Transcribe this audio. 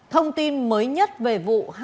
thông tin mới nhất về vụ